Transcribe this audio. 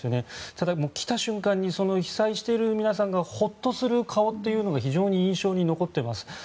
ただ、来た瞬間に被災している皆さんがホッとする顔が非常に印象に残っています。